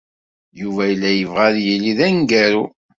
Yuba yella yebɣa ad yili d aneggaru.